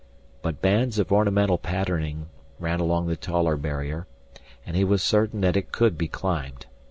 But bands of ornamental patterning ran along the taller barrier, and he was certain that it could be climbed.